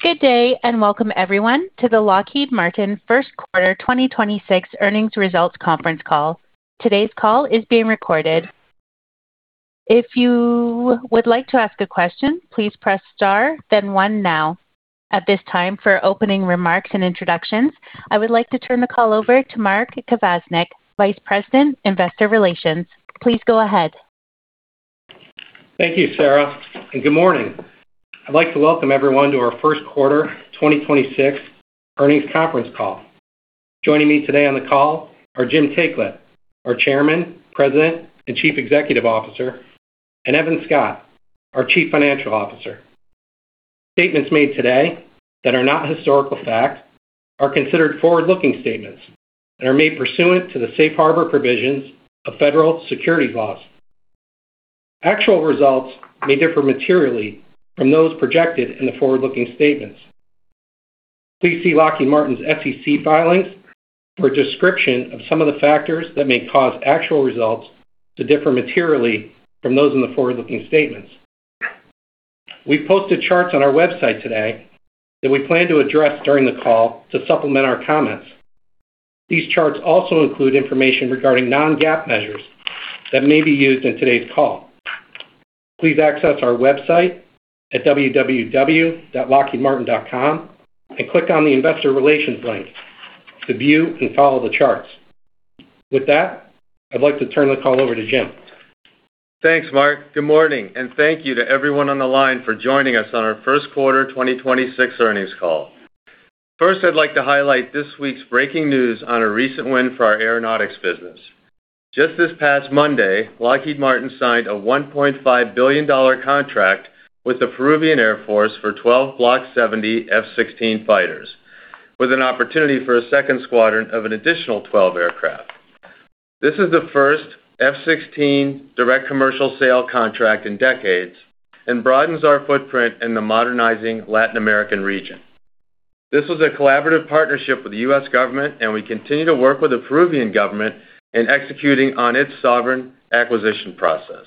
Good day, and welcome everyone to the Lockheed Martin first quarter 2026 earnings results conference call. Today's call is being recorded. At this time, for opening remarks and introductions, I would like to turn the call over to Mark Kvasnak, Vice President, Investor Relations. Please go ahead. Thank you, Sarah, and good morning. I'd like to welcome everyone to our first quarter 2026 earnings conference call. Joining me today on the call are Jim Taiclet, our Chairman, President, and Chief Executive Officer, and Evan Scott, our Chief Financial Officer. Statements made today that are not historical facts are considered forward-looking statements and are made pursuant to the safe harbor provisions of federal securities laws. Actual results may differ materially from those projected in the forward-looking statements. Please see Lockheed Martin's SEC filings for a description of some of the factors that may cause actual results to differ materially from those in the forward-looking statements. We posted charts on our website today that we plan to address during the call to supplement our comments. These charts also include information regarding Non-GAAP measures that may be used in today's call. Please access our website at www.lockheedmartin.com and click on the Investor Relations link to view and follow the charts. With that, I'd like to turn the call over to Jim. Thanks, Mark. Good morning, and thank you to everyone on the line for joining us on our first quarter 2026 earnings call. First, I'd like to highlight this week's breaking news on a recent win for our aeronautics business. Just this past Monday, Lockheed Martin signed a $1.5 billion contract with the Peruvian Air Force for 12 Block 70 F-16 fighters, with an opportunity for a second squadron of an additional 12 aircraft. This is the first F-16 direct commercial sale contract in decades and broadens our footprint in the modernizing Latin American region. This was a collaborative partnership with the U.S. government, and we continue to work with the Peruvian government in executing on its sovereign acquisition process.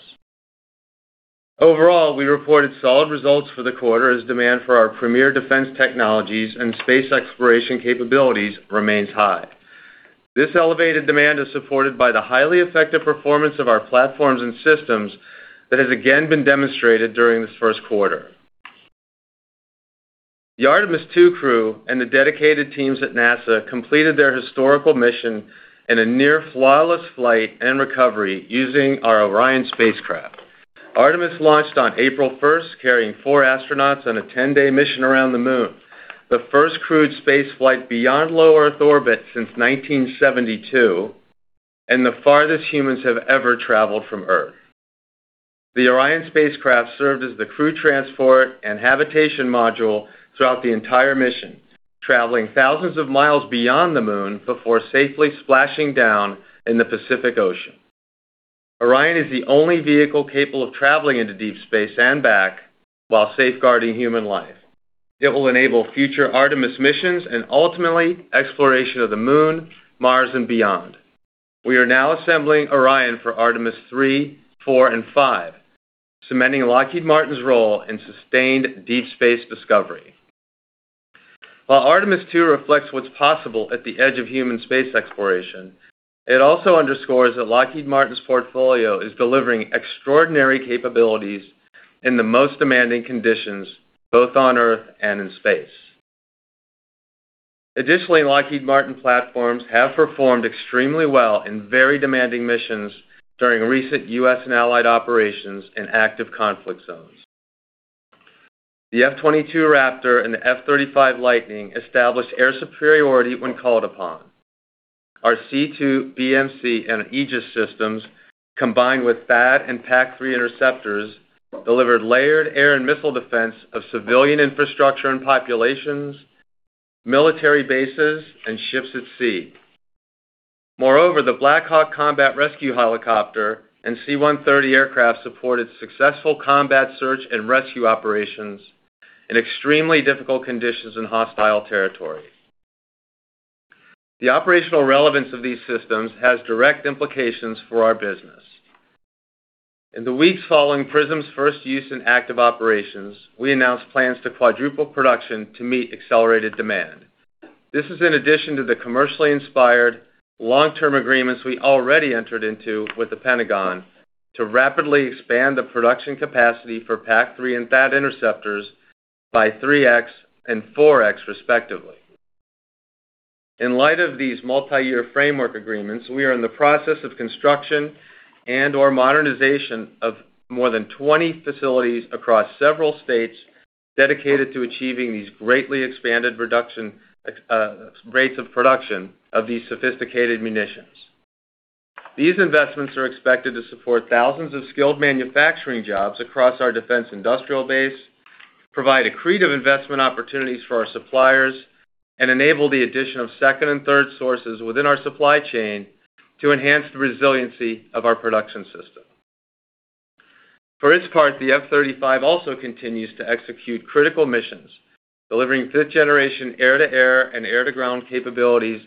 Overall, we reported solid results for the quarter as demand for our premier defense technologies and space exploration capabilities remains high. This elevated demand is supported by the highly effective performance of our platforms and systems that has again been demonstrated during this first quarter. The Artemis II crew and the dedicated teams at NASA completed their historical mission in a near flawless flight and recovery using our Orion spacecraft. Artemis launched on April 1st, carrying four astronauts on a 10-day mission around the Moon, the first crewed space flight beyond low Earth orbit since 1972, and the farthest humans have ever traveled from Earth. The Orion spacecraft served as the crew transport and habitation module throughout the entire mission, traveling thousands of miles beyond the Moon before safely splashing down in the Pacific Ocean. Orion is the only vehicle capable of traveling into deep space and back while safeguarding human life. It will enable future Artemis missions and ultimately exploration of the Moon, Mars, and beyond. We are now assembling Orion for Artemis III, IV, and V, cementing Lockheed Martin's role in sustained deep space discovery. While Artemis II reflects what's possible at the edge of human space exploration, it also underscores that Lockheed Martin's portfolio is delivering extraordinary capabilities in the most demanding conditions, both on Earth and in space. Additionally, Lockheed Martin platforms have performed extremely well in very demanding missions during recent U.S. and allied operations in active conflict zones. The F-22 Raptor and the F-35 Lightning II established air superiority when called upon. Our C2, BMC, and Aegis systems, combined with THAAD and PAC-3 interceptors, delivered layered air and missile defense of civilian infrastructure and populations, military bases, and ships at sea. Moreover, the Black Hawk combat rescue helicopter and C-130 aircraft supported successful combat search and rescue operations in extremely difficult conditions in hostile territories. The operational relevance of these systems has direct implications for our business. In the weeks following PrSM's first use in active operations, we announced plans to quadruple production to meet accelerated demand. This is in addition to the commercially inspired long-term agreements we already entered into with The Pentagon to rapidly expand the production capacity for PAC-3 and THAAD interceptors by 3x and 4x, respectively. In light of these multi-year framework agreements, we are in the process of construction and/or modernization of more than 20 facilities across several states dedicated to achieving these greatly expanded rates of production of these sophisticated munitions. These investments are expected to support thousands of skilled manufacturing jobs across our defense industrial base, provide accretive investment opportunities for our suppliers, and enable the addition of second and third sources within our supply chain to enhance the resiliency of our production system. For its part, the F-35 also continues to execute critical missions, delivering fifth-generation air-to-air and air-to-ground capabilities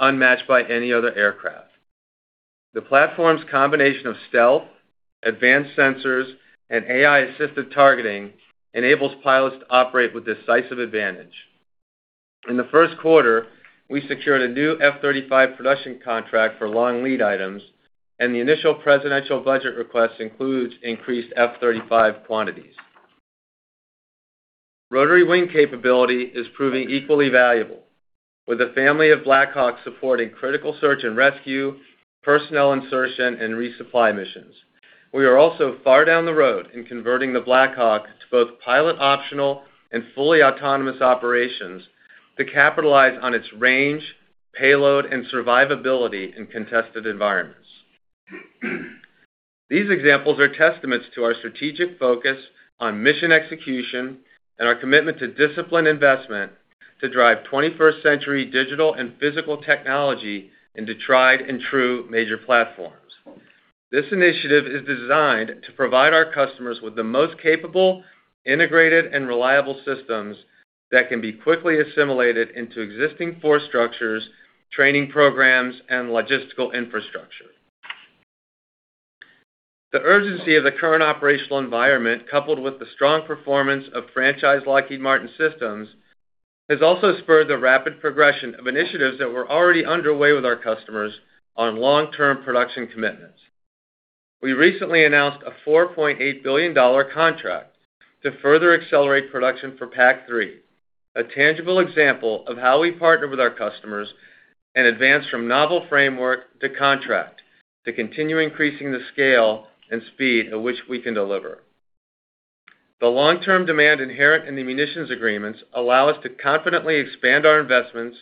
unmatched by any other aircraft. The platform's combination of stealth, advanced sensors, and AI-assisted targeting enables pilots to operate with decisive advantage. In the first quarter, we secured a new F-35 production contract for long lead items, and the initial presidential budget request includes increased F-35 quantities. Rotary wing capability is proving equally valuable, with a family of Black Hawks supporting critical search and rescue, personnel insertion, and resupply missions. We are also far down the road in converting the Black Hawk to both pilot optional and fully autonomous operations to capitalize on its range, payload, and survivability in contested environments. These examples are testaments to our strategic focus on mission execution and our commitment to disciplined investment to drive 21st century digital and physical technology into tried and true major platforms. This initiative is designed to provide our customers with the most capable, integrated, and reliable systems that can be quickly assimilated into existing force structures, training programs, and logistical infrastructure. The urgency of the current operational environment, coupled with the strong performance of franchise Lockheed Martin systems, has also spurred the rapid progression of initiatives that were already underway with our customers on long-term production commitments. We recently announced a $4.8 billion contract to further accelerate production for PAC-3, a tangible example of how we partner with our customers and advance from novel framework to contract, to continue increasing the scale and speed at which we can deliver. The long-term demand inherent in the munitions agreements allow us to confidently expand our investments,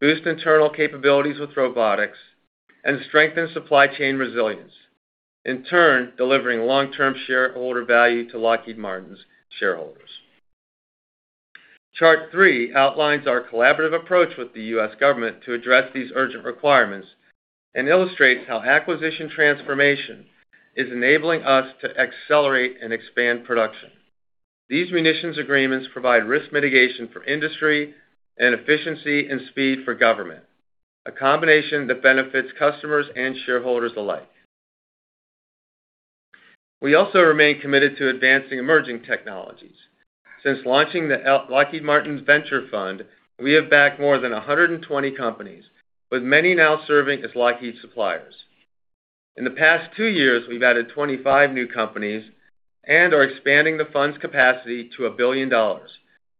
boost internal capabilities with robotics, and strengthen supply chain resilience, in turn, delivering long-term shareholder value to Lockheed Martin's shareholders. Chart three outlines our collaborative approach with the U.S. government to address these urgent requirements and illustrates how acquisition transformation is enabling us to accelerate and expand production. These munitions agreements provide risk mitigation for industry and efficiency and speed for government, a combination that benefits customers and shareholders alike. We also remain committed to advancing emerging technologies. Since launching the Lockheed Martin Venture Fund, we have backed more than 120 companies, with many now serving as Lockheed suppliers. In the past two years, we've added 25 new companies and are expanding the fund's capacity to $1 billion,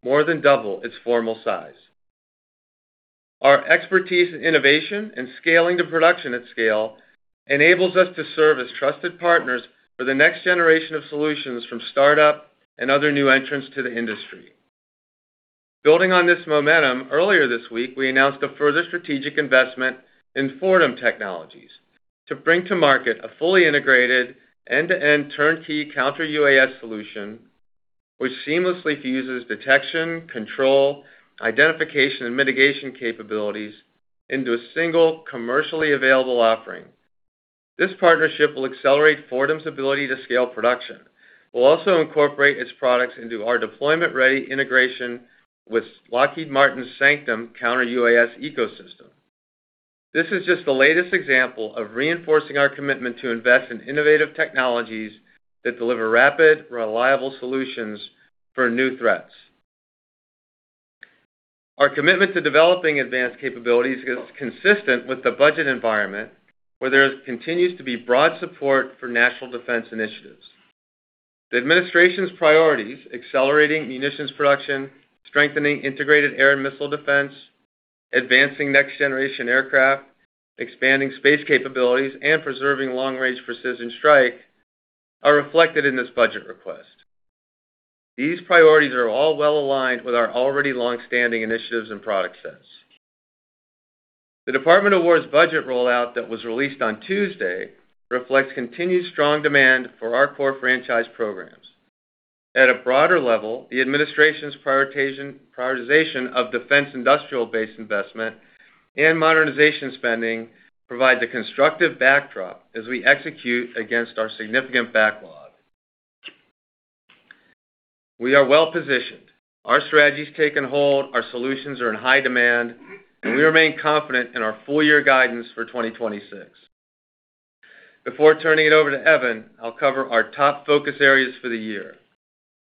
more than double its formal size. Our expertise in innovation and scaling to production at scale enables us to serve as trusted partners for the next generation of solutions from startup and other new entrants to the industry. Building on this momentum, earlier this week, we announced a further strategic investment in Fortem Technologies to bring to market a fully integrated end-to-end turnkey counter-UAS solution, which seamlessly fuses detection, control, identification, and mitigation capabilities into a single commercially available offering. This partnership will accelerate Fortem's ability to scale production. We'll also incorporate its products into our deployment-ready integration with Lockheed Martin's Sanctum counter-UAS ecosystem. This is just the latest example of reinforcing our commitment to invest in innovative technologies that deliver rapid, reliable solutions for new threats. Our commitment to developing advanced capabilities is consistent with the budget environment, where there continues to be broad support for national defense initiatives. The administration's priorities, accelerating munitions production, strengthening integrated air and missile defense, advancing next-generation aircraft, expanding space capabilities, and preserving long-range precision strike, are reflected in this budget request. These priorities are all well-aligned with our already long-standing initiatives and product sets. The Department of War budget rollout that was released on Tuesday reflects continued strong demand for our core franchise programs. At a broader level, the administration's prioritization of defense industrial base investment and modernization spending provide the constructive backdrop as we execute against our significant backlog. We are well-positioned. Our strategy's taken hold, our solutions are in high demand, and we remain confident in our full year guidance for 2026. Before turning it over to Evan, I'll cover our top focus areas for the year.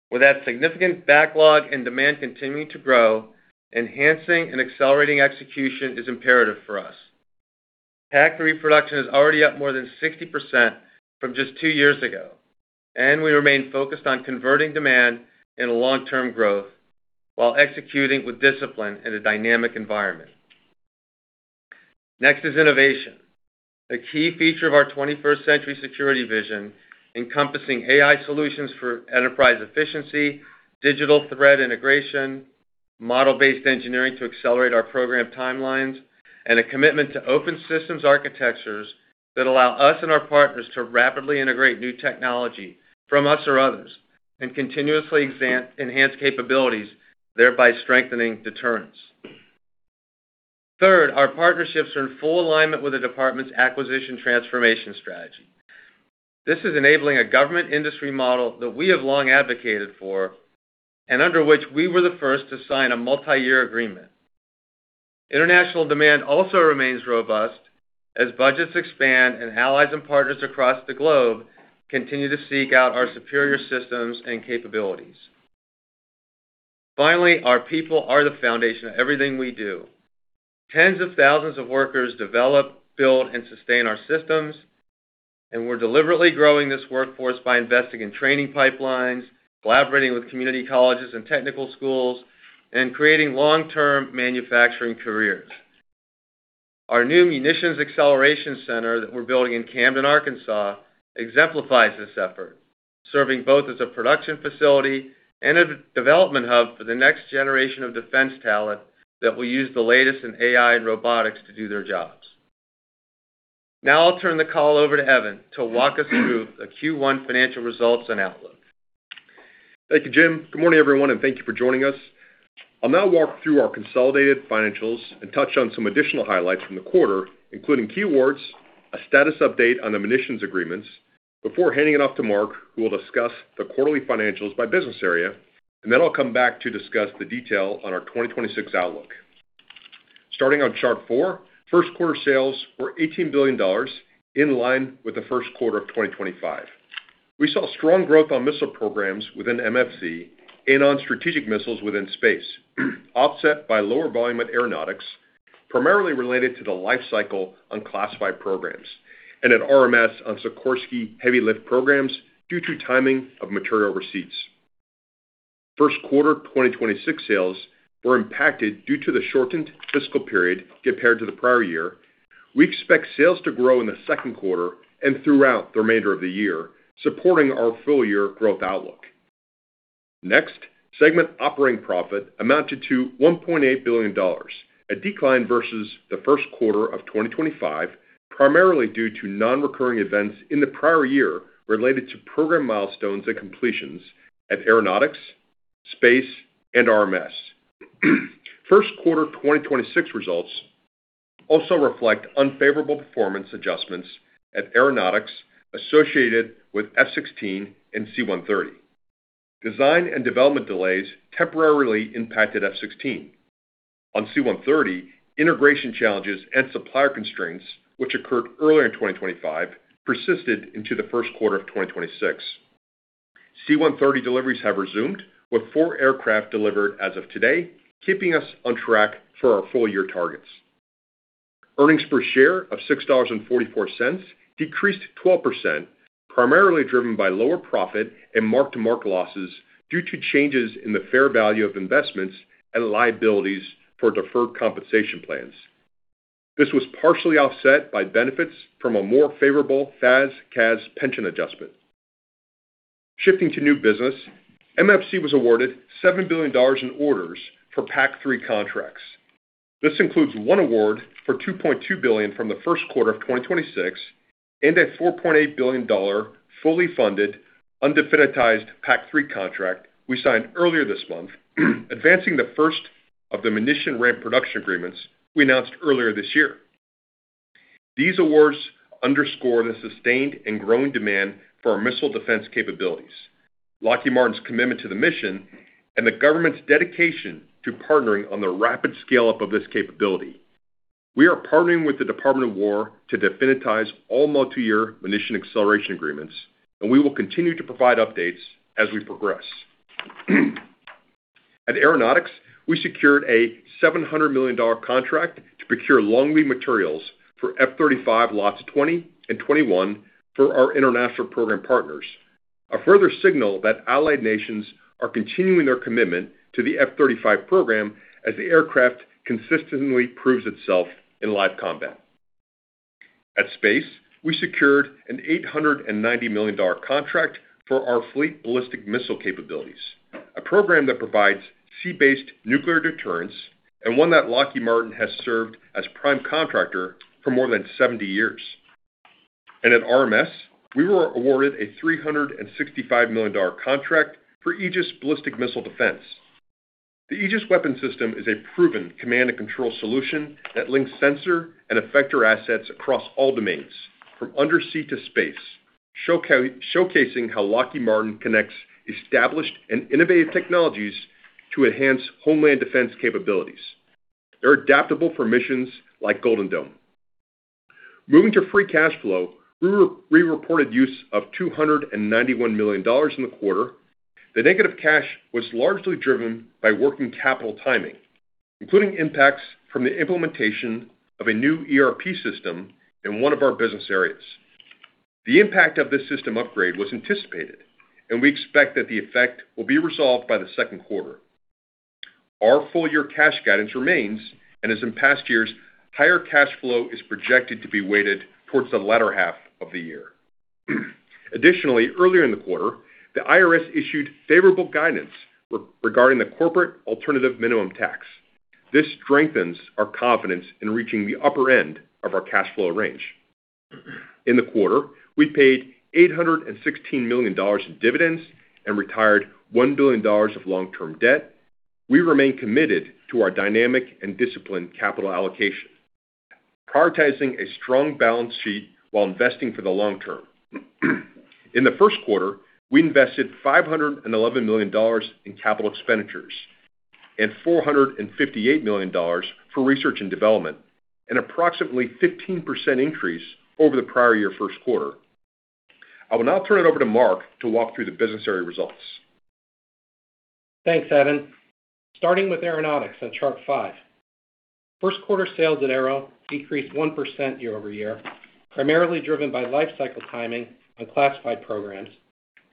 With that significant backlog and demand continuing to grow, enhancing and accelerating execution is imperative for us. PAC-3 production is already up more than 60% from just two years ago, and we remain focused on converting demand into long-term growth while executing with discipline in a dynamic environment. Next is innovation, a key feature of our 21st century security vision, encompassing AI solutions for enterprise efficiency, digital thread integration, model-based engineering to accelerate our program timelines, and a commitment to open systems architectures that allow us and our partners to rapidly integrate new technology from us or others, and continuously enhance capabilities, thereby strengthening deterrence. Third, our partnerships are in full alignment with the department's acquisition transformation strategy. This is enabling a government industry model that we have long advocated for, and under which we were the first to sign a multi-year agreement. International demand also remains robust as budgets expand and allies and partners across the globe continue to seek out our superior systems and capabilities. Finally, our people are the foundation of everything we do. Tens of thousands of workers develop, build, and sustain our systems, and we're deliberately growing this workforce by investing in training pipelines, collaborating with community colleges and technical schools, and creating long-term manufacturing careers. Our new Munitions Acceleration Center that we're building in Camden, Arkansas, exemplifies this effort, serving both as a production facility and a development hub for the next generation of defense talent that will use the latest in AI and robotics to do their jobs. Now I'll turn the call over to Evan to walk us through the Q1 financial results and outlook. Thank you, Jim. Good morning, everyone, and thank you for joining us. I'll now walk through our consolidated financials and touch on some additional highlights from the quarter, including key awards, a status update on the munitions agreements, before handing it off to Mark, who will discuss the quarterly financials by business area. Then I'll come back to discuss the detail on our 2026 outlook. Starting on chart four, first quarter sales were $18 billion, in line with the first quarter of 2025. We saw strong growth on missile programs within MFC and on strategic missiles within Space, offset by lower volume at Aeronautics, primarily related to the life cycle on classified programs, and at RMS on Sikorsky heavy lift programs due to timing of material receipts. First quarter 2026 sales were impacted due to the shortened fiscal period compared to the prior year. We expect sales to grow in the second quarter and throughout the remainder of the year, supporting our full-year growth outlook. Next, segment operating profit amounted to $1.8 billion, a decline versus the first quarter of 2025, primarily due to non-recurring events in the prior year related to program milestones and completions at Aeronautics, Space, and RMS. First quarter 2026 results also reflect unfavorable performance adjustments at Aeronautics associated with F-16 and C-130. Design and development delays temporarily impacted F-16. On C-130, integration challenges and supplier constraints, which occurred earlier in 2025, persisted into the first quarter of 2026. C-130 deliveries have resumed with four aircraft delivered as of today, keeping us on track for our full-year targets. Earnings per share of $6.44 decreased 12%, primarily driven by lower profit and mark-to-market losses due to changes in the fair value of investments and liabilities for deferred compensation plans. This was partially offset by benefits from a more favorable FAS/CAS pension adjustment. Shifting to new business, MFC was awarded $7 billion in orders for PAC-3 contracts. This includes one award for $2.2 billion from the first quarter of 2026 and a $4.8 billion fully funded undefinitized PAC-3 contract we signed earlier this month, advancing the first of the munition ramp production agreements we announced earlier this year. These awards underscore the sustained and growing demand for our missile defense capabilities, Lockheed Martin's commitment to the mission, and the government's dedication to partnering on the rapid scale-up of this capability. We are partnering with the Department of War to definitize all multi-year munition acceleration agreements, and we will continue to provide updates as we progress. At Aeronautics, we secured a $700 million contract to procure long-lead materials for F-35 Lots 20 and Lots 21 for our international program partners, a further signal that allied nations are continuing their commitment to the F-35 program as the aircraft consistently proves itself in live combat. At Space, we secured an $890 million contract for our Fleet Ballistic Missile capabilities, a program that provides sea-based nuclear deterrence and one that Lockheed Martin has served as prime contractor for more than 70 years. At RMS, we were awarded a $365 million contract for Aegis Ballistic Missile Defense. The Aegis weapon system is a proven command and control solution that links sensor and effector assets across all domains, from undersea to space, showcasing how Lockheed Martin connects established and innovative technologies to enhance homeland defense capabilities. They're adaptable for missions like Golden Dome. Moving to free cash flow, we reported use of $291 million in the quarter. The negative cash was largely driven by working capital timing, including impacts from the implementation of a new ERP system in one of our business areas. The impact of this system upgrade was anticipated, and we expect that the effect will be resolved by the second quarter. Our full-year cash guidance remains, and as in past years, higher cash flow is projected to be weighted towards the latter half of the year. Additionally, earlier in the quarter, the IRS issued favorable guidance regarding the Corporate Alternative Minimum Tax. This strengthens our confidence in reaching the upper end of our cash flow range. In the quarter, we paid $816 million in dividends and retired $1 billion of long-term debt. We remain committed to our dynamic and disciplined capital allocation. Prioritizing a strong balance sheet while investing for the long term. In the first quarter, we invested $511 million in capital expenditures and $458 million for research and development, an approximately 15% increase over the prior year first quarter. I will now turn it over to Mark to walk through the business area results. Thanks, Evan. Starting with Aeronautics on chart five. First quarter sales at Aero decreased 1% year-over-year, primarily driven by life cycle timing on classified programs,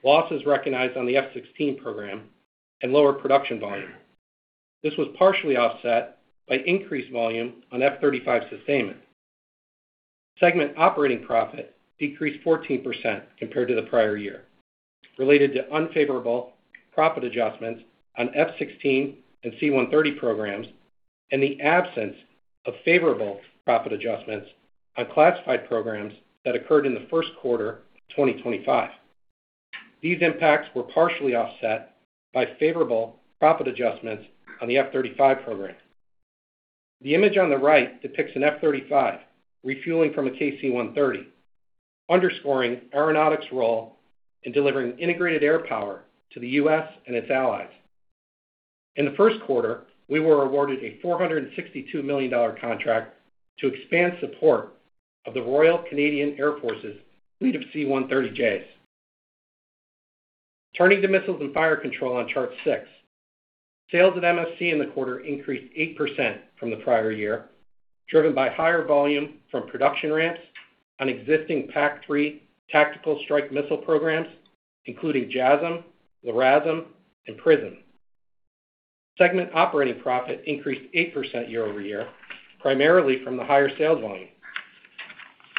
losses recognized on the F-16 program, and lower production volume. This was partially offset by increased volume on F-35 sustainment. Segment operating profit decreased 14% compared to the prior year, related to unfavorable profit adjustments on F-16 and C-130 programs, and the absence of favorable profit adjustments on classified programs that occurred in the first quarter of 2025. These impacts were partially offset by favorable profit adjustments on the F-35 program. The image on the right depicts an F-35 refueling from a KC-130, underscoring Aeronautics' role in delivering integrated air power to the U.S. and its allies. In the first quarter, we were awarded a $462 million contract to expand support of the Royal Canadian Air Force's fleet of C-130Js. Turning to missiles and fire control on chart six. Sales at MFC in the quarter increased 8% from the prior year, driven by higher volume from production ramps on existing PAC-3 tactical strike missile programs, including JASSM, LRASM, and PrSM. Segment operating profit increased 8% year-over-year, primarily from the higher sales volume.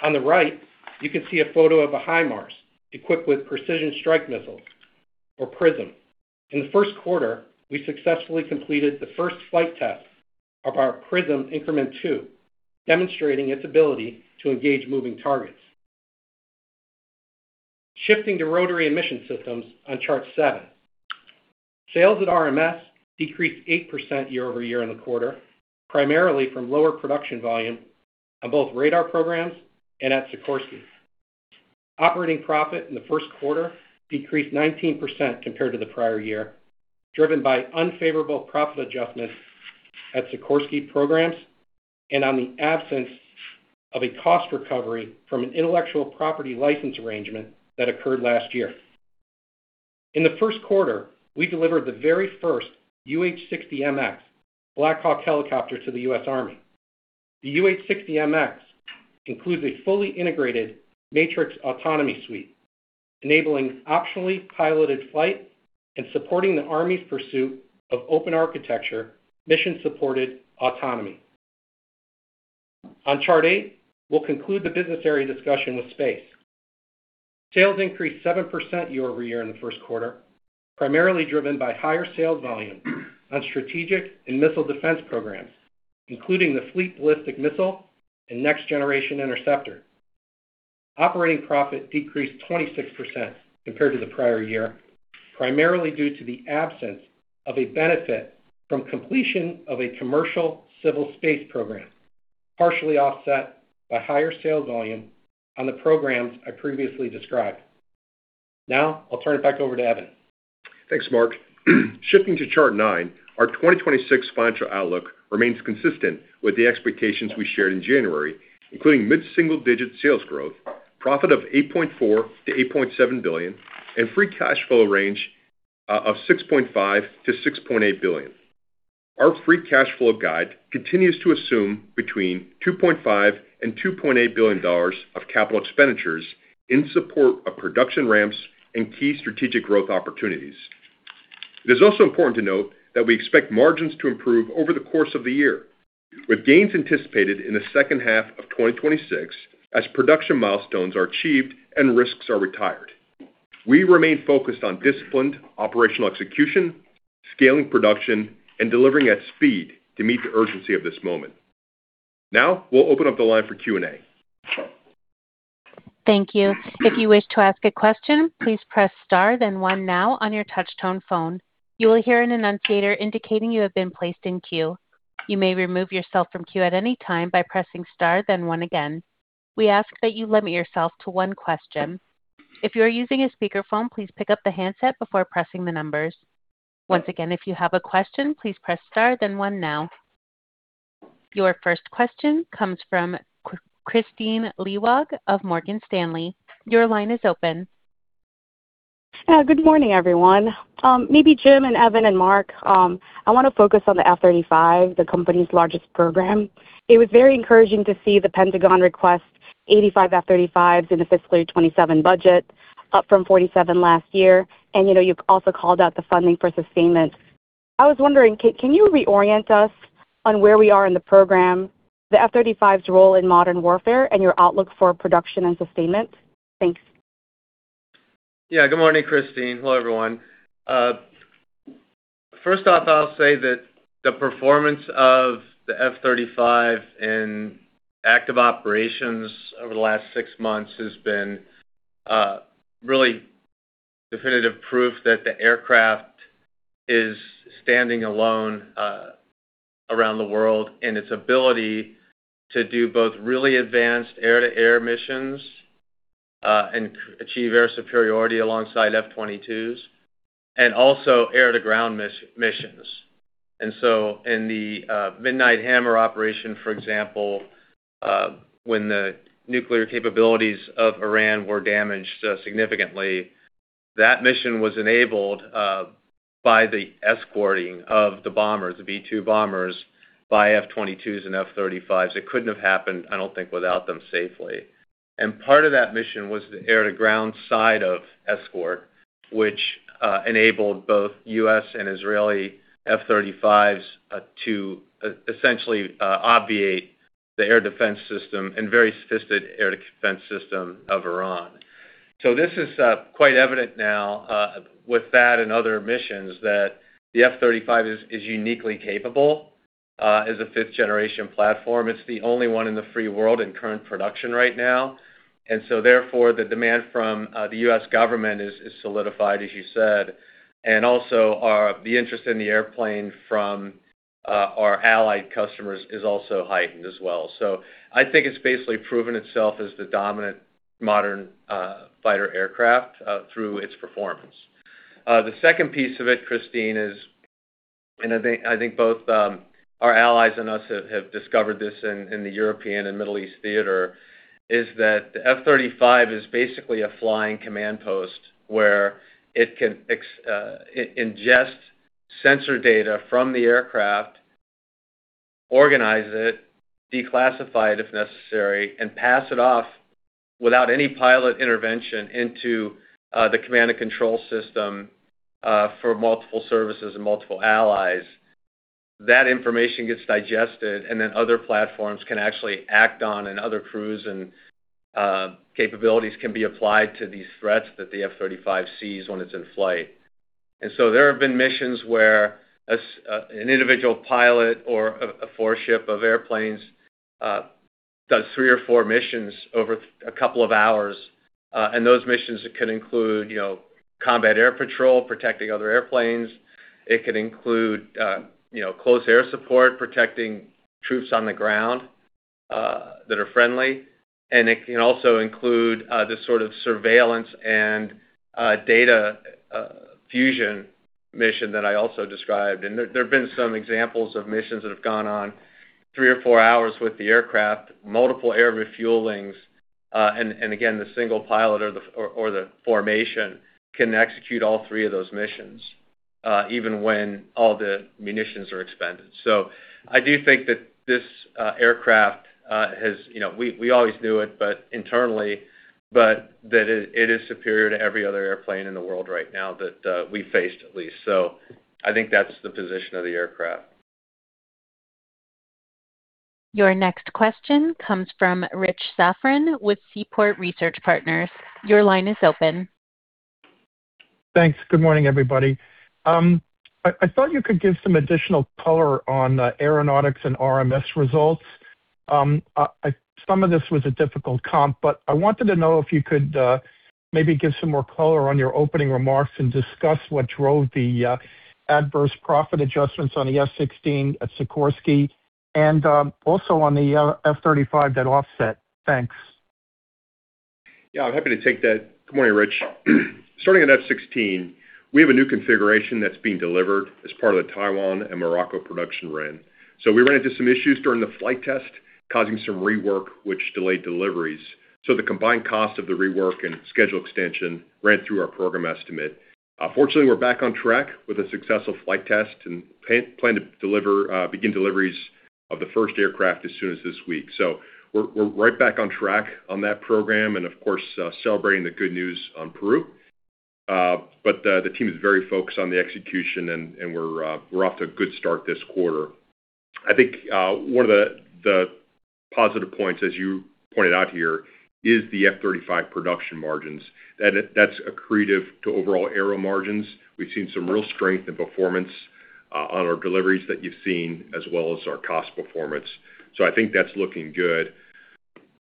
On the right, you can see a photo of a HIMARS equipped with Precision Strike Missiles or PrSM. In the first quarter, we successfully completed the first flight test of our PrSM Increment 2, demonstrating its ability to engage moving targets. Shifting to Rotary and Mission Systems on chart seven. Sales at RMS decreased 8% year-over-year in the quarter, primarily from lower production volume on both radar programs and at Sikorsky. Operating profit in the first quarter decreased 19% compared to the prior year, driven by unfavorable profit adjustments at Sikorsky programs and on the absence of a cost recovery from an intellectual property license arrangement that occurred last year. In the first quarter, we delivered the very first UH-60M Black Hawk helicopter to the U.S. Army. The UH-60M includes a fully integrated matrix autonomy suite, enabling optionally piloted flight and supporting the army's pursuit of open architecture mission-supported autonomy. On chart eight, we'll conclude the business area discussion with Space. Sales increased 7% year-over-year in the first quarter, primarily driven by higher sales volume on strategic and missile defense programs, including the Fleet Ballistic Missile and Next Generation Interceptor. Operating profit decreased 26% compared to the prior year, primarily due to the absence of a benefit from completion of a commercial civil space program, partially offset by higher sales volume on the programs I previously described. Now, I'll turn it back over to Evan. Thanks, Mark. Shifting to chart nine, our 2026 financial outlook remains consistent with the expectations we shared in January, including mid-single-digit% sales growth, profit of $8.4 billion-$8.7 billion, and free cash flow range of $6.5 billion-$6.8 billion. Our free cash flow guide continues to assume between $2.5 billion-$2.8 billion of capital expenditures in support of production ramps and key strategic growth opportunities. It is also important to note that we expect margins to improve over the course of the year, with gains anticipated in the second half of 2026 as production milestones are achieved and risks are retired. We remain focused on disciplined operational execution, scaling production, and delivering at speed to meet the urgency of this moment. Now, we'll open up the line for Q&A. Your first question comes from Kristine Liwag of Morgan Stanley. Your line is open. Good morning, everyone. Maybe Jim and Evan and Mark, I want to focus on the F-35, the company's largest program. It was very encouraging to see the Pentagon request 85 F-35s in the fiscal year 2027 budget, up from 47 last year. You also called out the funding for sustainment. I was wondering, can you reorient us on where we are in the program, the F-35's role in modern warfare, and your outlook for production and sustainment? Thanks. Yeah. Good morning, Kristine. Hello, everyone. First off, I'll say that the performance of the F-35 in active operations over the last six months has been really definitive proof that the aircraft is standing alone around the world in its ability to do both really advanced air-to-air missions and achieve air superiority alongside F-22s, and also air-to-ground missions. In the Midnight Hammer operation, for example, when the nuclear capabilities of Iran were damaged significantly, that mission was enabled by the escorting of the B-2 bombers by F-22s and F-35s. It couldn't have happened, I don't think, without them safely. Part of that mission was the air-to-ground side of escort, which enabled both U.S. and Israeli F-35s, to essentially obviate the air defense system and very sophisticated air defense system of Iran. This is quite evident now, with that and other missions, that the F-35 is uniquely capable as a fifth-generation platform. It's the only one in the free world in current production right now. Therefore, the demand from the U.S. government is solidified, as you said. Also, the interest in the airplane from our allied customers is also heightened as well. I think it's basically proven itself as the dominant modern fighter aircraft through its performance. The second piece of it, Kristine, is, and I think both our allies and us have discovered this in the European and Middle East theater, is that the F-35 is basically a flying command post where it can ingest sensor data from the aircraft, organize it, declassify it if necessary, and pass it off without any pilot intervention into the command and control system, for multiple services and multiple allies. That information gets digested, and then other platforms can actually act on, and other crews and capabilities can be applied to these threats that the F-35 sees when it's in flight. There have been missions where an individual pilot or a four-ship of airplanes does three missions or four missions over a couple of hours. Those missions can include combat air patrol, protecting other airplanes. It can include close air support, protecting troops on the ground that are friendly. It can also include the sort of surveillance and data fusion mission that I also described. There have been some examples of missions that have gone on three hours or four hours with the aircraft, multiple air refuelings, and again, the single pilot or the formation can execute all three of those missions, even when all the munitions are expended. I do think that this aircraft has. We always knew it, internally, but that it is superior to every other airplane in the world right now that we've faced, at least. I think that's the position of the aircraft. Your next question comes from Richard Safran with Seaport Research Partners. Your line is open. Thanks. Good morning, everybody. I thought you could give some additional color on the aeronautics and RMS results. Some of this was a difficult comp, but I wanted to know if you could maybe give some more color on your opening remarks and discuss what drove the adverse profit adjustments on the F-16 at Sikorsky and also on the F-35, that offset. Thanks. Yeah, I'm happy to take that. Good morning, Rich. Starting at F-16, we have a new configuration that's being delivered as part of the Taiwan and Morocco production run. We ran into some issues during the flight test, causing some rework, which delayed deliveries. The combined cost of the rework and schedule extension ran through our program estimate. Fortunately, we're back on track with a successful flight test and plan to begin deliveries of the first aircraft as soon as this week. We're right back on track on that program and, of course, celebrating the good news on Peru. The team is very focused on the execution, and we're off to a good start this quarter. I think one of the positive points, as you pointed out here, is the F-35 production margins. That's accretive to overall aero margins. We've seen some real strength in performance on our deliveries that you've seen, as well as our cost performance. I think that's looking good.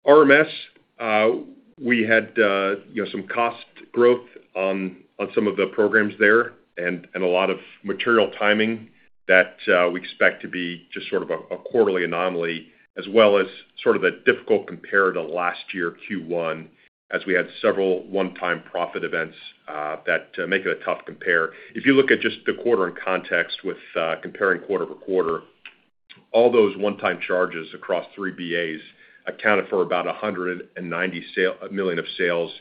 RMS, we had some cost growth on some of the programs there and a lot of material timing that we expect to be just sort of a quarterly anomaly as well as sort of a difficult compare to last year Q1, as we had several one-time profit events that make it a tough compare. If you look at just the quarter in context with comparing quarter-over-quarter, all those one-time charges across three BAs accounted for about $190 million of sales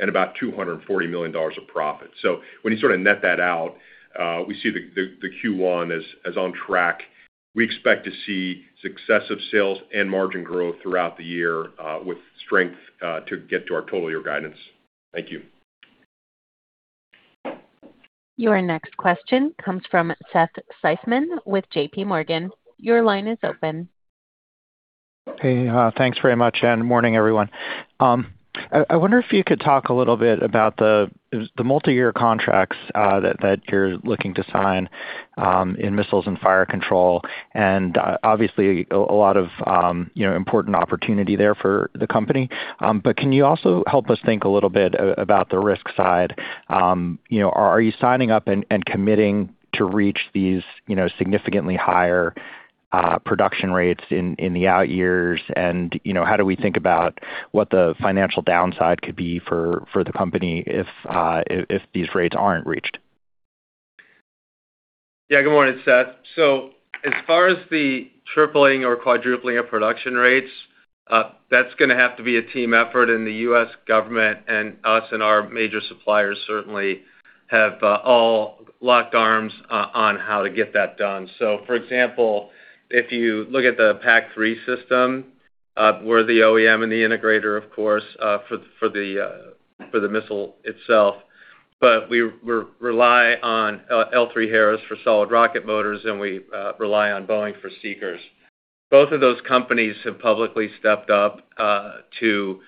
and about $240 million of profit. When you sort of net that out, we see the Q1 as on track. We expect to see successive sales and margin growth throughout the year with strength to get to our total year guidance. Thank you. Your next question comes from Seth Seifman with JPMorgan. Your line is open. Hey, thanks very much, and good morning, everyone. I wonder if you could talk a little bit about the multi-year contracts that you're looking to sign in Missiles and Fire Control, and obviously a lot of important opportunity there for the company. Can you also help us think a little bit about the risk side? Are you signing up and committing to reach these significantly higher production rates in the out years? How do we think about what the financial downside could be for the company if these rates aren't reached? Yeah, good morning, Seth. As far as the tripling or quadrupling of production rates, that's going to have to be a team effort in the U.S. government and us and our major suppliers certainly have all locked arms on how to get that done. For example, if you look at the PAC-3 system, we're the OEM and the integrator, of course, for the missile itself. We rely on L3Harris for solid rocket motors, and we rely on Boeing for seekers. Both of those companies have publicly stepped up to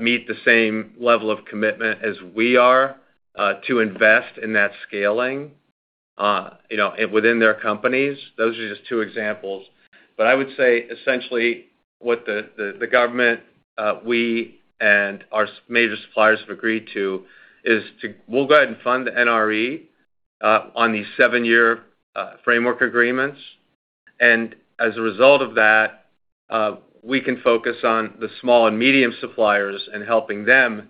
meet the same level of commitment as we are to invest in that scaling within their companies. Those are just two examples. I would say essentially what the government, we, and our major suppliers have agreed to is we'll go ahead and fund the NRE on these seven-year framework agreements. As a result of that, we can focus on the small and medium suppliers and helping them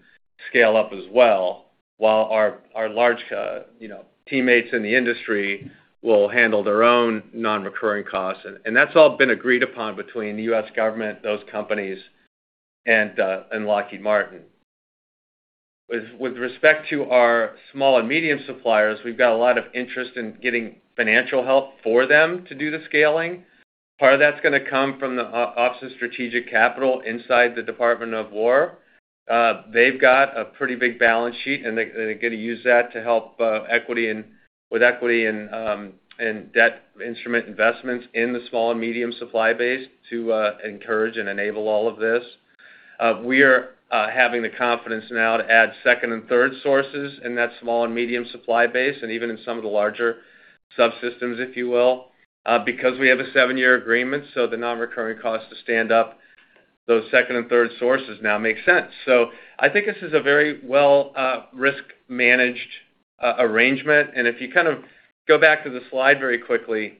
scale up as well while our large teammates in the industry will handle their own non-recurring costs. That's all been agreed upon between the U.S. government, those companies, and Lockheed Martin. With respect to our small and medium suppliers, we've got a lot of interest in getting financial help for them to do the scaling. Part of that's going to come from the Office of Strategic Capital inside the Department of War. They've got a pretty big balance sheet, and they're going to use that to help with equity and debt instrument investments in the small and medium supply base to encourage and enable all of this. We are having the confidence now to add second and third sources in that small and medium supply base, and even in some of the larger subsystems, if you will, because we have a seven-year agreement, so the non-recurring cost to stand up those second and third sources now makes sense. I think this is a very well risk-managed arrangement. If you kind of go back to the slide very quickly,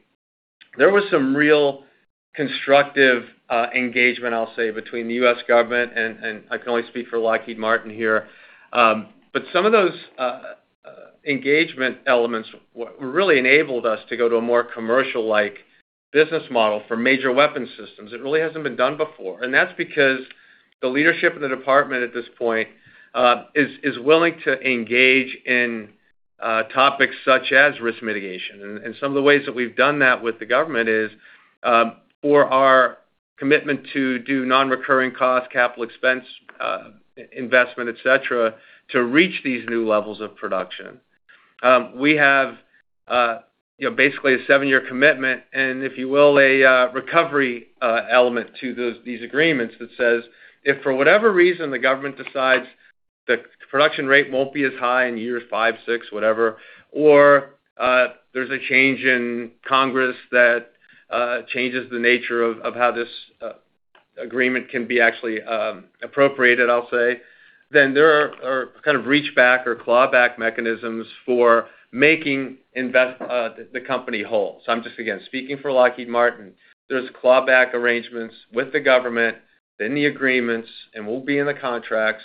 there was some real constructive engagement, I'll say, between the U.S. government, and I can only speak for Lockheed Martin here. But some of those engagement elements really enabled us to go to a more commercial-like business model for major weapon systems. It really hasn't been done before. That's because the leadership in the department at this point is willing to engage in topics such as risk mitigation. Some of the ways that we've done that with the government is for our commitment to do non-recurring cost, capital expense, investment, et cetera, to reach these new levels of production. We have basically a seven-year commitment, and, if you will, a recovery element to these agreements that says, if for whatever reason the government decides the production rate won't be as high in year five, year six, whatever, or there's a change in Congress that changes the nature of how this agreement can be actually appropriated, I'll say, then there are kind of reach back or clawback mechanisms for making the company whole. I'm just, again, speaking for Lockheed Martin. There's clawback arrangements with the government in the agreements, and will be in the contracts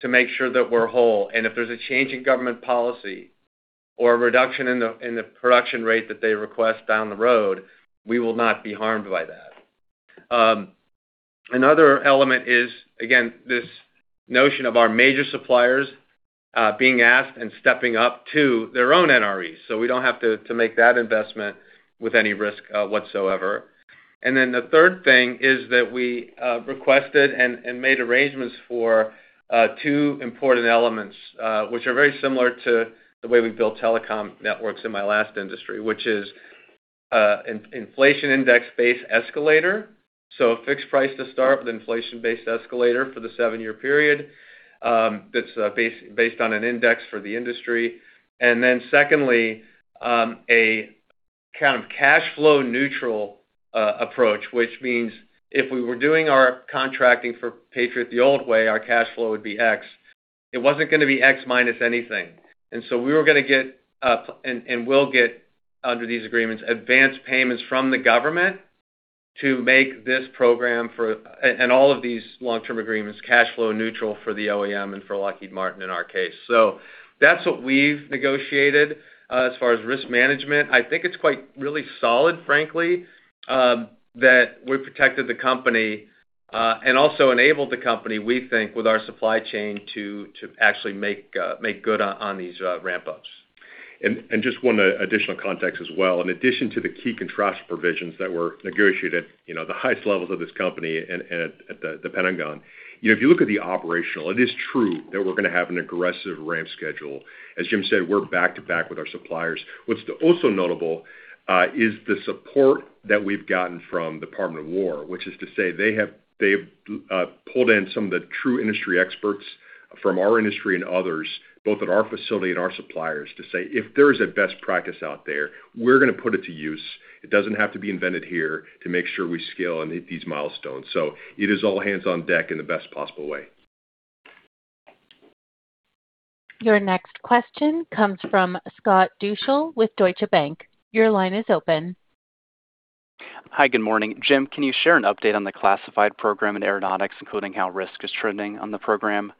to make sure that we're whole. If there's a change in government policy or a reduction in the production rate that they request down the road, we will not be harmed by that. Another element is, again, this notion of our major suppliers being asked and stepping up to their own NREs, so we don't have to make that investment with any risk whatsoever. Then the third thing is that we requested and made arrangements for two important elements, which are very similar to the way we built telecom networks in my last industry, which is an inflation index base escalator. A fixed price to start with inflation-based escalator for the seven-year period that's based on an index for the industry. Then secondly, a kind of cash flow neutral approach, which means if we were doing our contracting for Patriot the old way, our cash flow would be X. It wasn't going to be X minus anything. We were going to get, and will get, under these agreements, advanced payments from the government to make this program, and all of these long-term agreements, cash flow neutral for the OEM and for Lockheed Martin in our case. That's what we've negotiated as far as risk management. I think it's quite really solid, frankly, that we protected the company, and also enabled the company, we think, with our supply chain to actually make good on these ramp-ups. Just one additional context as well. In addition to the key contract provisions that were negotiated the highest levels of this company and at the Pentagon, if you look at the operational, it is true that we're going to have an aggressive ramp schedule. As Jim said, we're back-to-back with our suppliers. What's also notable is the support that we've gotten from Department of War, which is to say they've pulled in some of the true industry experts. From our industry and others, both at our facility and our suppliers, to say if there is a best practice out there, we're going to put it to use. It doesn't have to be invented here to make sure we scale and hit these milestones. It is all hands on deck in the best possible way. Your next question comes from Scott Deuschle with Deutsche Bank. Your line is open. Hi. Good morning. Jim, can you share an update on the classified program in aeronautics, including how risk is trending on the program?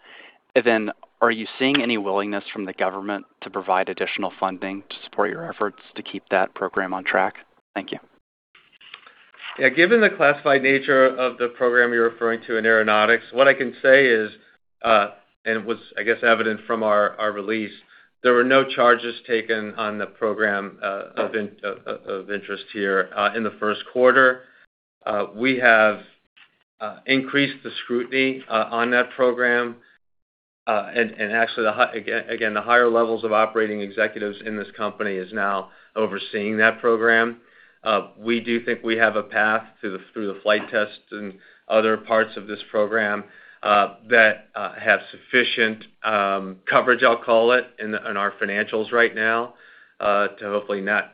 Are you seeing any willingness from the government to provide additional funding to support your efforts to keep that program on track? Thank you. Yeah. Given the classified nature of the program you're referring to in aeronautics, what I can say is, and it was, I guess, evident from our release, there were no charges taken on the program of interest here in the first quarter. We have increased the scrutiny on that program. Actually, again, the higher levels of operating executives in this company is now overseeing that program. We do think we have a path through the flight tests and other parts of this program, that have sufficient coverage, I'll call it, in our financials right now, to hopefully not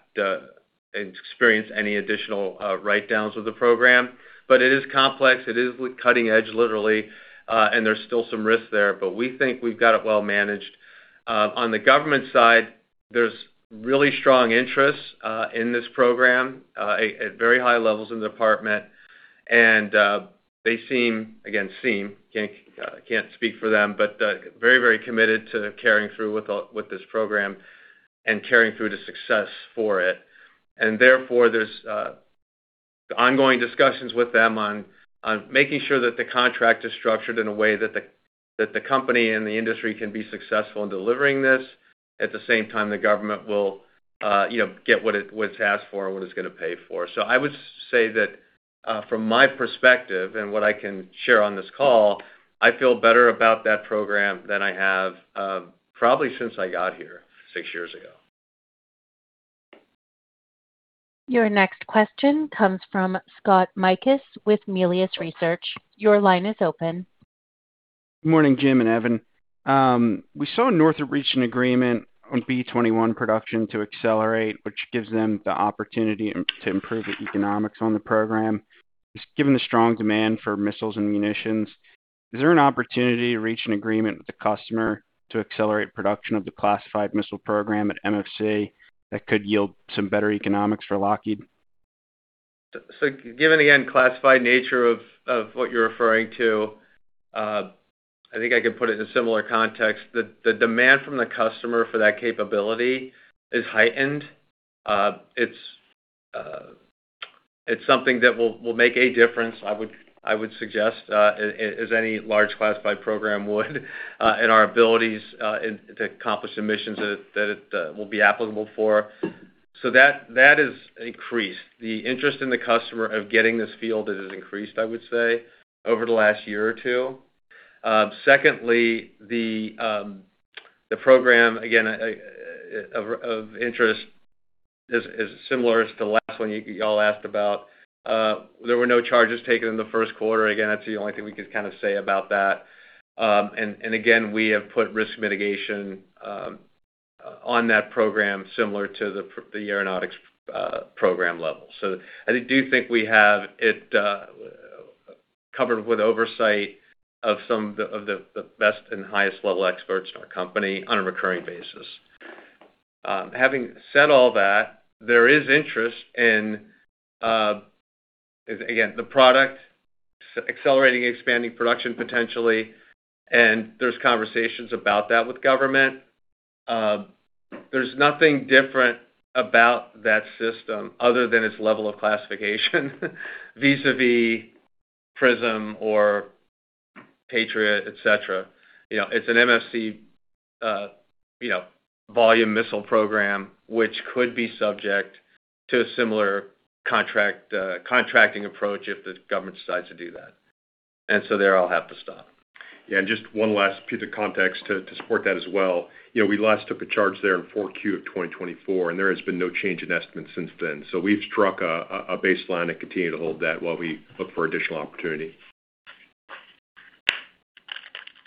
experience any additional write-downs with the program. It is complex, it is cutting edge, literally, and there's still some risk there, but we think we've got it well managed. On the government side, there's really strong interest in this program at very high levels in the department, and they seem, again, I can't speak for them, but very, very committed to carrying through with this program and carrying through to success for it. Therefore, there's ongoing discussions with them on making sure that the contract is structured in a way that the company and the industry can be successful in delivering this. At the same time, the government will get what it's asked for and what it's going to pay for. I would say that, from my perspective and what I can share on this call, I feel better about that program than I have, probably since I got here six years ago. Your next question comes from Scott Mikus with Melius Research. Your line is open. Good morning, Jim and Evan. We saw Northrop reach an agreement on B21 production to accelerate, which gives them the opportunity to improve the economics on the program. Given the strong demand for missiles and munitions, is there an opportunity to reach an agreement with the customer to accelerate production of the classified missile program at MFC that could yield some better economics for Lockheed? Given, again, the classified nature of what you're referring to, I think I could put it in a similar context. The demand from the customer for that capability is heightened. It's something that will make a difference, I would suggest, as any large classified program would, in our abilities to accomplish the missions that it will be applicable for. That has increased. The interest from the customer in getting this fielded has increased, I would say, over the last year or two. Secondly, the program, again, of interest is similar to the last one you all asked about. There were no charges taken in the first quarter. Again, that's the only thing we could kind of say about that. Again, we have put risk mitigation on that program similar to the Aeronautics program level. I do think we have it covered with oversight of some of the best and highest level experts in our company on a recurring basis. Having said all that, there is interest in, again, the product accelerating, expanding production potentially, and there's conversations about that with government. There's nothing different about that system other than its level of classification vis-à-vis PrSM or Patriot, et cetera. It's an MFC volume missile program, which could be subject to a similar contracting approach if the government decides to do that. There I'll have to stop. Yeah. Just one last piece of context to support that as well. We last took a charge there in 4Q of 2024, and there has been no change in estimates since then. We've struck a baseline and continue to hold that while we look for additional opportunity.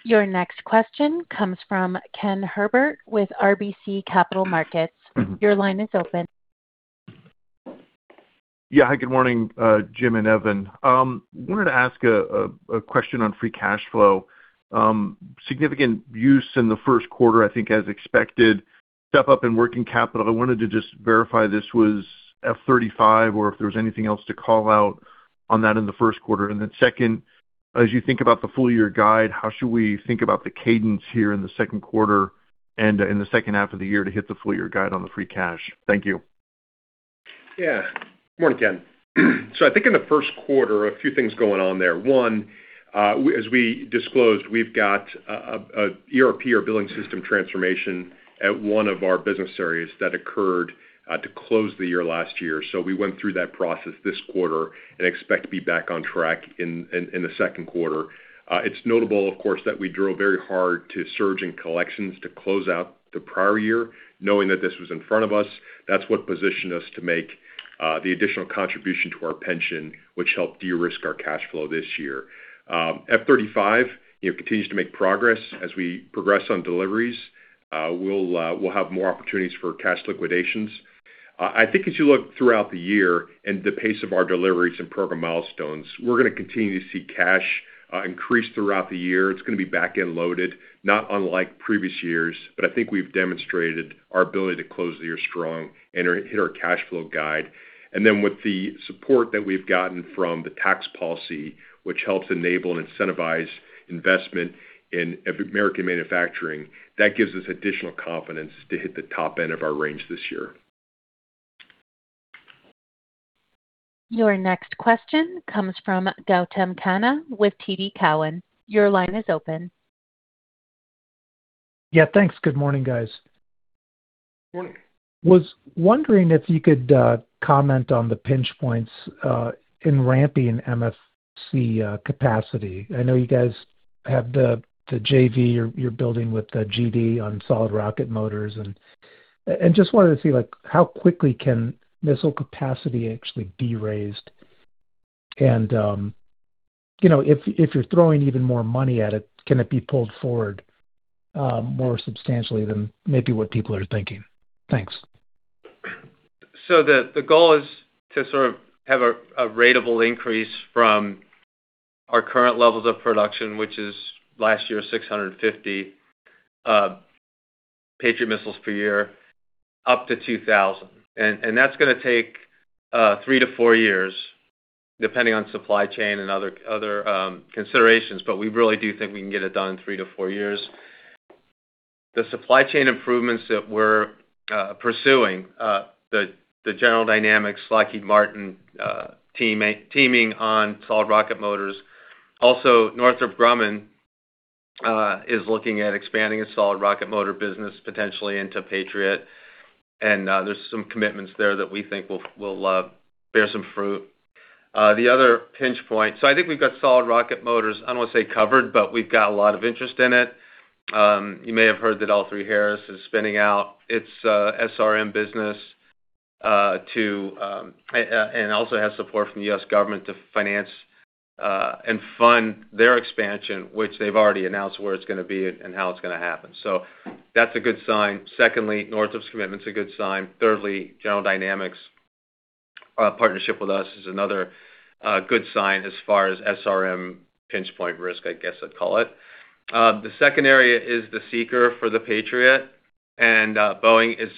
Your next question comes from Ken Herbert with RBC Capital Markets. Your line is open. Yeah. Hi, good morning, Jim and Evan. Wanted to ask a question on free cash flow. Significant use in the first quarter, I think, as expected. Step up in working capital. I wanted to just verify this was F-35 or if there was anything else to call out on that in the first quarter. Second, as you think about the full year guide, how should we think about the cadence here in the second quarter and in the second half of the year to hit the full year guide on the free cash? Thank you. Yeah. Good morning, Ken. I think in the first quarter, a few things going on there. One, as we disclosed, we've got an ERP or billing system transformation at one of our business areas that occurred to close the year last year. We went through that process this quarter and expect to be back on track in the second quarter. It's notable, of course, that we drove very hard to surge in collections to close out the prior year, knowing that this was in front of us. That's what positioned us to make the additional contribution to our pension, which helped de-risk our cash flow this year. F-35 continues to make progress as we progress on deliveries. We'll have more opportunities for cash liquidations. I think as you look throughout the year and the pace of our deliveries and program milestones, we're going to continue to see cash increase throughout the year. It's going to be back-end loaded, not unlike previous years, but I think we've demonstrated our ability to close the year strong and hit our cash flow guide. With the support that we've gotten from the tax policy, which helps enable and incentivize investment in American manufacturing, that gives us additional confidence to hit the top end of our range this year. Your next question comes from Gautam Khanna with TD Cowen. Your line is open. Yeah, thanks. Good morning, guys. Morning. Was wondering if you could comment on the pinch points in ramping MFC capacity. I know you guys have the JV you're building with GD on solid rocket motors, and I just wanted to see how quickly can missile capacity actually be raised. If you're throwing even more money at it, can it be pulled forward more substantially than maybe what people are thinking? Thanks. The goal is to sort of have a ratable increase from our current levels of production, which is last year, 650 Patriot missiles per year up to 2,000 Patriot missiles per year. That's going to take three to four years, depending on supply chain and other considerations. We really do think we can get it done in three to four years. The supply chain improvements that we're pursuing, the General Dynamics, Lockheed Martin teaming on solid rocket motors. Also, Northrop Grumman is looking at expanding its solid rocket motor business potentially into Patriot. There's some commitments there that we think will bear some fruit. The other pinch point, I think we've got solid rocket motors, I don't want to say covered, but we've got a lot of interest in it. You may have heard that L3Harris is spinning out its SRM business, and also has support from the U.S. government to finance and fund their expansion, which they've already announced where it's going to be and how it's going to happen. That's a good sign. Secondly, Northrop's commitment is a good sign. Thirdly, General Dynamics' partnership with us is another good sign as far as SRM pinch point risk, I guess I'd call it. The second area is the seeker for the Patriot, and Boeing has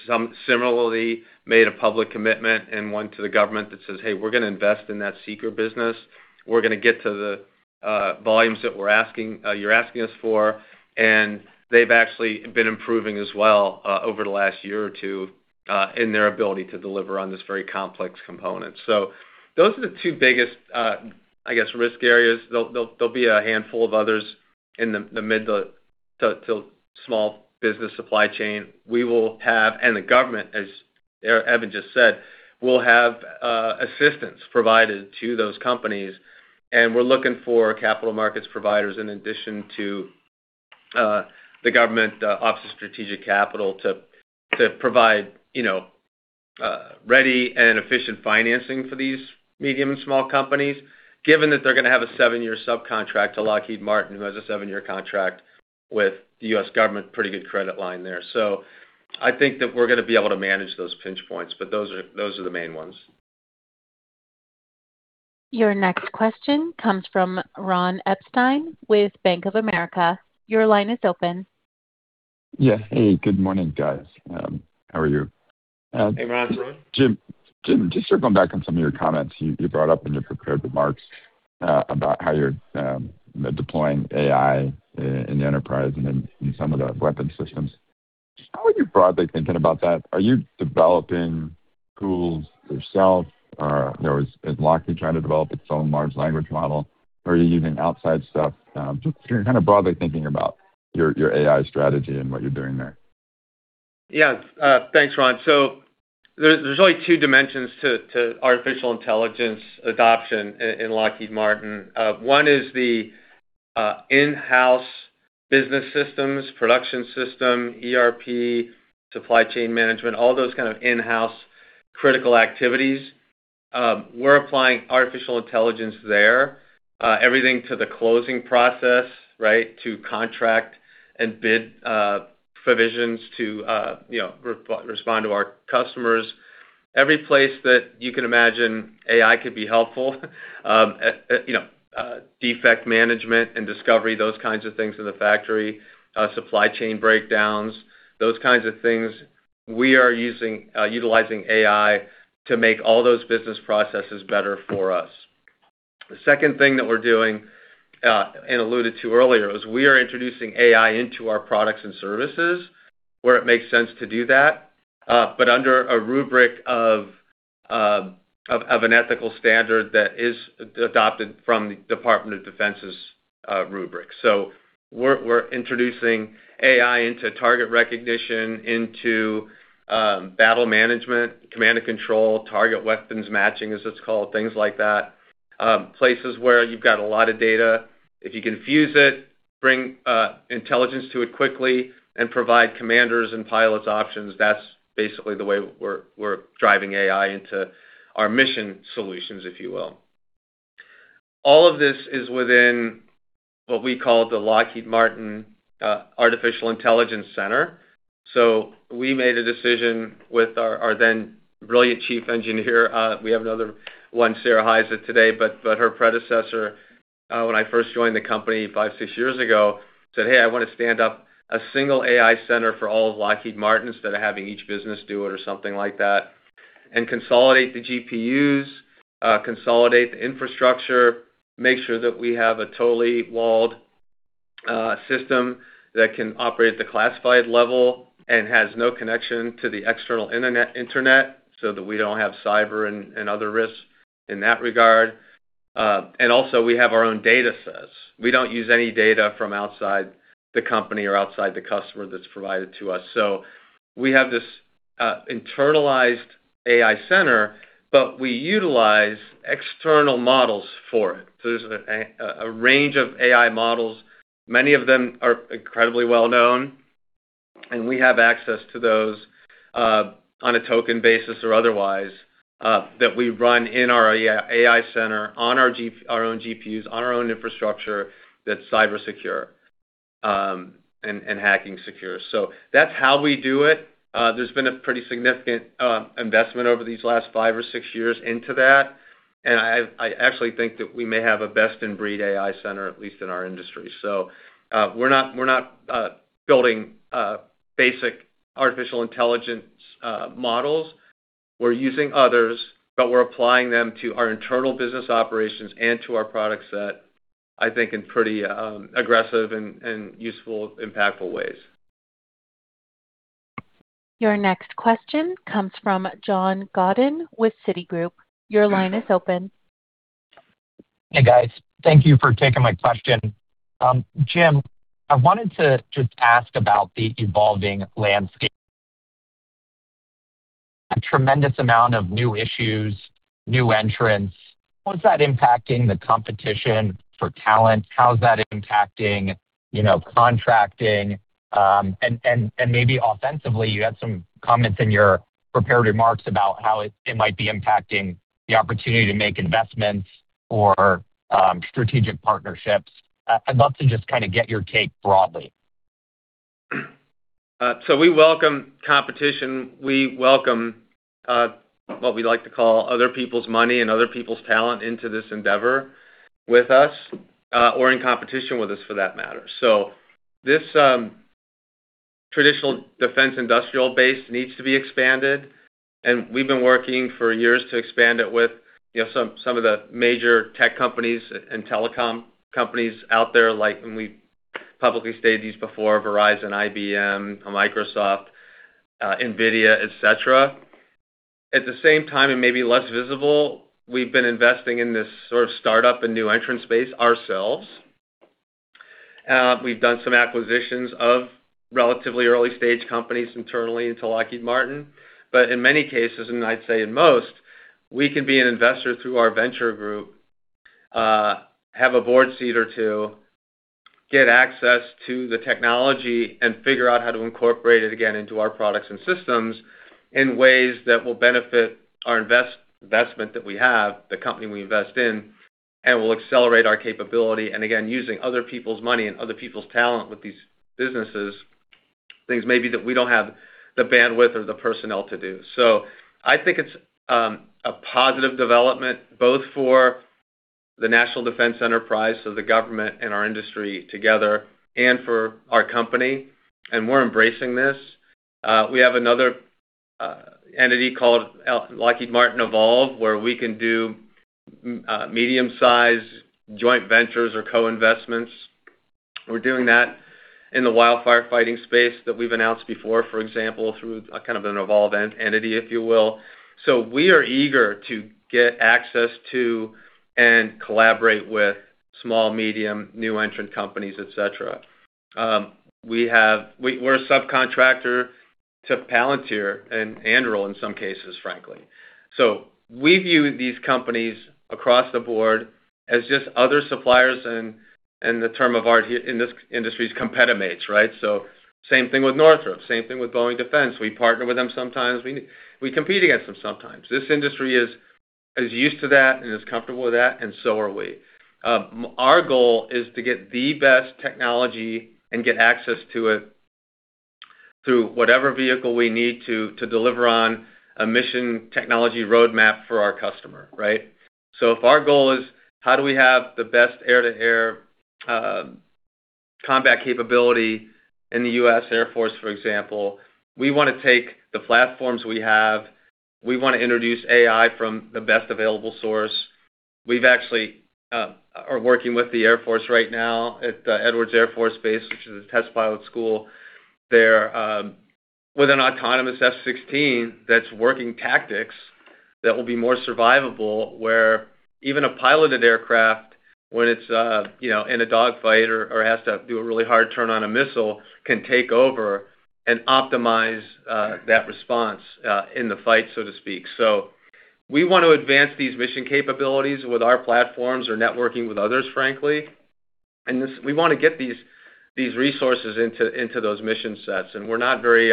similarly made a public commitment and one to the government that says, "Hey, we're going to invest in that seeker business. We're going to get to the volumes that you're asking us for." They've actually been improving as well over the last year or two in their ability to deliver on this very complex component. Those are the two biggest risk areas. There'll be a handful of others in the mid to small business supply chain. We will have, and the government, as Evan just said, will have assistance provided to those companies, and we're looking for capital markets providers in addition to the Office of Strategic Capital to provide ready and efficient financing for these medium and small companies, given that they're going to have a seven-year subcontract to Lockheed Martin, who has a seven-year contract with the U.S. government. Pretty good credit line there. I think that we're going to be able to manage those pinch points, but those are the main ones. Your next question comes from Ron Epstein with Bank of America. Your line is open. Yeah. Hey, good morning, guys. How are you? Hey, Ron. Jim, just circling back on some of your comments you brought up in your prepared remarks about how you're deploying AI in the enterprise and in some of the weapon systems. How are you broadly thinking about that? Are you developing tools yourself or is Lockheed trying to develop its own large language model? Are you using outside stuff? Just kind of broadly thinking about your AI strategy and what you're doing there. Yeah. Thanks, Ron. There's really two dimensions to artificial intelligence adoption in Lockheed Martin. One is the in-house business systems, production system, ERP, supply chain management, all those kind of in-house critical activities. We're applying artificial intelligence there. Everything to the closing process, right, to contract and bid provisions to respond to our customers. Every place that you can imagine AI could be helpful, defect management and discovery, those kinds of things in the factory, supply chain breakdowns, those kinds of things. We are utilizing AI to make all those business processes better for us. The second thing that we're doing, and alluded to earlier, is we are introducing AI into our products and services where it makes sense to do that, but under a rubric of an ethical standard that is adopted from the Department of Defense's rubric. We're introducing Artificial Intelligence into target recognition, into battle management, command and control, target weapons matching, as it's called, things like that. Places where you've got a lot of data. If you can fuse it, bring intelligence to it quickly and provide commanders and pilots options, that's basically the way we're driving AI into our mission solutions, if you will. All of this is within what we call the Lockheed Martin Artificial Intelligence Center. We made a decision with our then brilliant chief engineer, we have another one today, but her predecessor, when I first joined the company five years, six years ago, said, "Hey, I want to stand up a single Artificial Intelligence Center for all of Lockheed Martin instead of having each business do it or something like that, and consolidate the GPUs, consolidate the infrastructure, make sure that we have a totally walled system that can operate at the classified level and has no connection to the external internet so that we don't have cyber and other risks in that regard." Also we have our own data sets. We don't use any data from outside the company or outside the customer that's provided to us. We have this internalized AI Center, but we utilize external models for it. There's a range of AI models. Many of them are incredibly well-known, and we have access to those, on a token basis or otherwise, that we run in our AI center on our own GPUs, on our own infrastructure that's cyber secure, and hacking secure. That's how we do it. There's been a pretty significant investment over these last five or six years into that, and I actually think that we may have a best-in-breed AI center, at least in our industry. We're not building basic artificial intelligence models. We're using others, but we're applying them to our internal business operations and to our product set, I think in pretty aggressive and useful, impactful ways. Your next question comes from John Godyn with Citigroup. Your line is open. Hey, guys. Thank you for taking my question. Jim, I wanted to just ask about the evolving landscape. A tremendous amount of new issues, new entrants. How's that impacting the competition for talent? How's that impacting contracting? Maybe offensively, you had some comments in your prepared remarks about how it might be impacting the opportunity to make investments or strategic partnerships. I'd love to just kind of get your take broadly. We welcome competition. We welcome what we like to call other people's money and other people's talent into this endeavor with us, or in competition with us for that matter. This traditional defense industrial base needs to be expanded, and we've been working for years to expand it with some of the major tech companies and telecom companies out there, like, and we've publicly stated these before, Verizon, IBM, Microsoft, NVIDIA, et cetera. At the same time, and maybe less visible, we've been investing in this sort of startup and new entrant space ourselves. We've done some acquisitions of relatively early-stage companies internally into Lockheed Martin. In many cases, and I'd say in most, we can be an investor through our venture group, have a board seat or two, get access to the technology and figure out how to incorporate it again into our products and systems in ways that will benefit our investment that we have, the company we invest in, and will accelerate our capability, and again, using other people's money and other people's talent with these businesses, things maybe that we don't have the bandwidth or the personnel to do. I think it's a positive development both for the National Defense Enterprise, so the government and our industry together, and for our company, and we're embracing this. We have another entity called Lockheed Martin Evolve, where we can do medium-size joint ventures or co-investments. We're doing that in the wildfire fighting space that we've announced before, for example, through kind of an LM Evolve entity, if you will. We are eager to get access to and collaborate with small, medium, new entrant companies, et cetera. We're a subcontractor to Palantir and Anduril in some cases, frankly. We view these companies across the board as just other suppliers and the term of art in this industry is competimates, right? Same thing with Northrop, same thing with Boeing Defense. We partner with them sometimes, we compete against them sometimes. This industry is as used to that and as comfortable with that, and so are we. Our goal is to get the best technology and get access to it through whatever vehicle we need to deliver on a mission technology roadmap for our customer, right? If our goal is how do we have the best air-to-air combat capability in the U.S. Air Force, for example, we want to take the platforms we have. We want to introduce AI from the best available source. We actually are working with the Air Force right now at the Edwards Air Force Base, which is a test pilot school. They're with an autonomous F-16 that's working tactics that will be more survivable where even a piloted aircraft when it's in a dog fight or has to do a really hard turn on a missile, can take over and optimize that response in the fight, so to speak. We want to advance these mission capabilities with our platforms or networking with others, frankly. We want to get these resources into those mission sets, and we're not very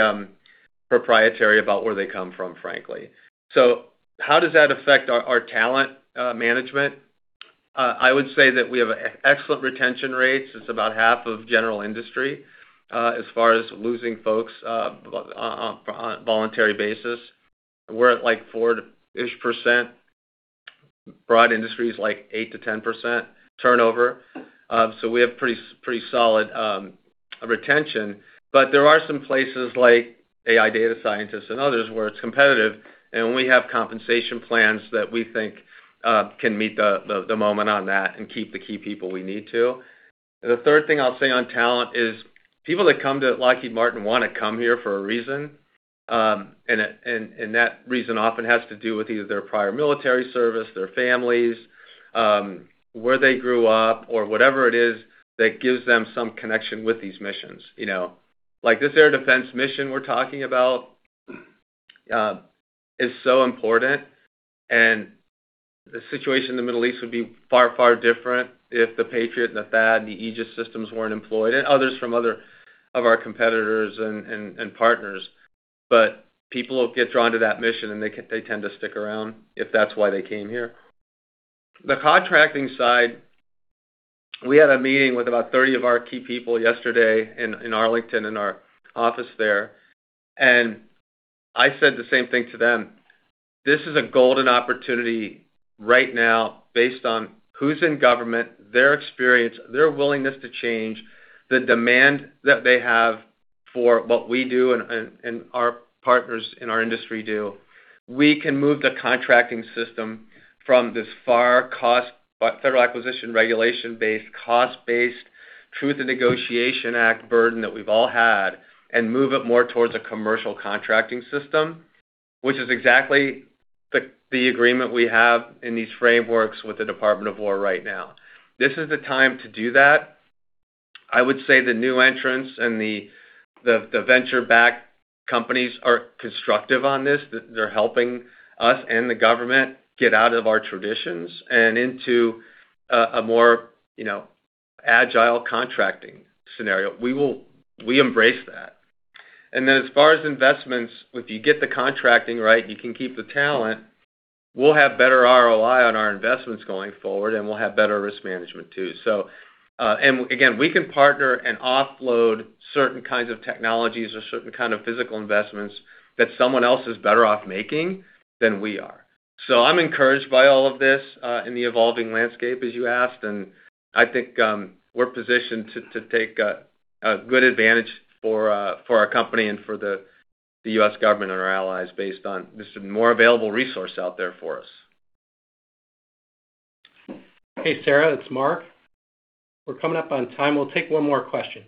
proprietary about where they come from, frankly. How does that affect our talent management? I would say that we have excellent retention rates. It's about half of general industry, as far as losing folks on a voluntary basis. We're at, like, 4-ish%. Broad industry is, like, 8%-10% turnover. We have pretty solid retention. There are some places, like Artificial Intelligence data scientists and others, where it's competitive, and we have compensation plans that we think can meet the moment on that and keep the key people we need to. The third thing I'll say on talent is people that come to Lockheed Martin want to come here for a reason, and that reason often has to do with either their prior military service, their families, where they grew up or whatever it is that gives them some connection with these missions. Like, this air defense mission we're talking about is so important and the situation in the Middle East would be far, far different if the Patriot, the THAAD and the Aegis systems weren't employed, and others from other of our competitors and partners. People get drawn to that mission, and they tend to stick around if that's why they came here. The contracting side, we had a meeting with about 30 of our key people yesterday in Arlington, in our office there, and I said the same thing to them. This is a golden opportunity right now based on who's in government, their experience, their willingness to change, the demand that they have for what we do and our partners in our industry do. We can move the contracting system from this FAR, cost, Federal Acquisition Regulation-based, cost-based, Truth in Negotiations Act burden that we've all had and move it more towards a commercial contracting system, which is exactly the agreement we have in these frameworks with the Department of War right now. This is the time to do that. I would say the new entrants and the venture-backed companies are constructive on this. They're helping us and the government get out of our traditions and into a more agile contracting scenario. We embrace that. Then as far as investments, if you get the contracting right, you can keep the talent. We'll have better ROI on our investments going forward, and we'll have better risk management, too. Again, we can partner and offload certain kinds of technologies or certain kind of physical investments that someone else is better off making than we are. I'm encouraged by all of this in the evolving landscape, as you asked, and I think we're positioned to take a good advantage for our company and for the U.S. government and our allies based on just a more available resource out there for us. Hey, Sarah, it's Mark. We're coming up on time. We'll take one more question.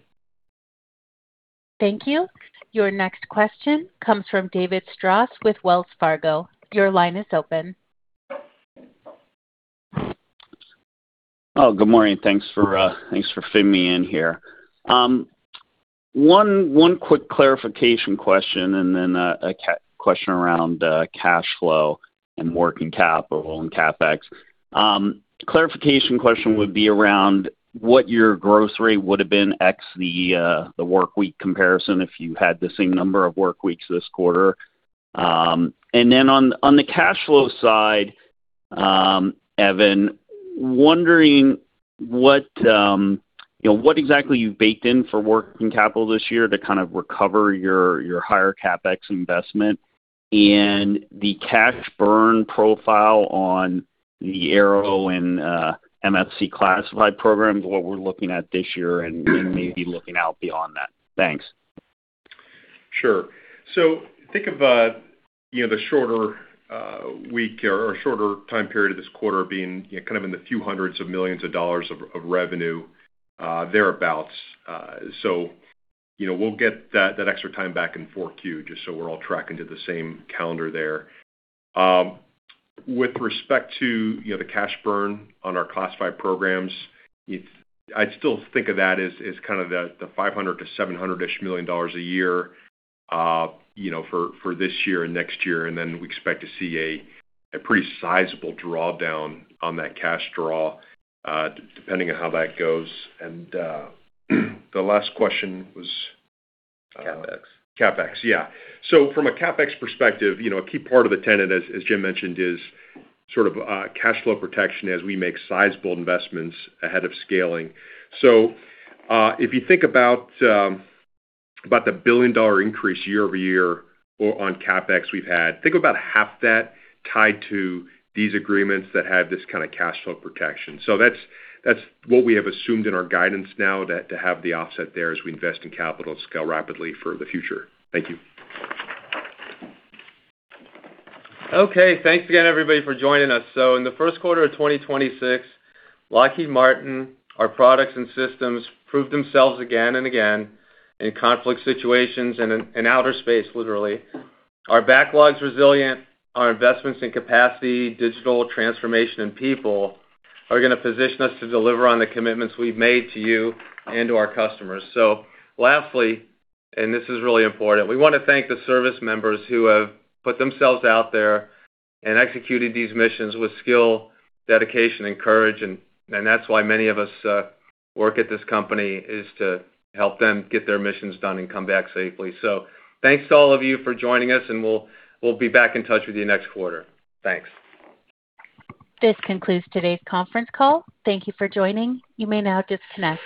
Thank you. Your next question comes from David Strauss with Wells Fargo. Your line is open. Good morning? Thanks for fitting me in here. One quick clarification question and then a question around cash flow and working capital and CapEx. Clarification question would be around what your growth rate would've been, ex the work week comparison, if you had the same number of work weeks this quarter. On the cash flow side, Evan, wondering what exactly you've baked in for working capital this year to kind of recover your higher CapEx investment and the cash burn profile on the Aero and MFC classified programs, what we're looking at this year and maybe looking out beyond that. Thanks. Sure. Think of the shorter week or shorter time period of this quarter being kind of in the few hundreds of millions of dollars of revenue thereabouts. We'll get that extra time back in Q4, just so we're all tracking to the same calendar there. With respect to the cash burn on our classified programs, I'd still think of that as kind of the $500 million-$700 million a year, for this year and next year, and then we expect to see a pretty sizable drawdown on that cash draw, depending on how that goes. The last question was CapEx. CapEx, yeah. From a CapEx perspective, a key part of the tenet, as James mentioned, is sort of cash flow protection as we make sizable investments ahead of scaling. If you think about the billion-dollar increase year-over-year on CapEx we've had, think about half that tied to these agreements that have this kind of cash flow protection. That's what we have assumed in our guidance now, to have the offset there as we invest in capital and scale rapidly for the future. Thank you. Okay. Thanks again, everybody, for joining us. In the first quarter of 2026, Lockheed Martin, our products and systems proved themselves again and again in conflict situations and in outer space, literally. Our backlog's resilient. Our investments in capacity, digital transformation and people are going to position us to deliver on the commitments we've made to you and to our customers. Lastly, and this is really important, we want to thank the service members who have put themselves out there and executed these missions with skill, dedication and courage, and that's why many of us work at this company, is to help them get their missions done and come back safely. Thanks to all of you for joining us, and we'll be back in touch with you next quarter. Thanks. This concludes today's conference call. Thank you for joining. You may now disconnect.